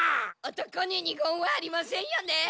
男に二言はありませんよね？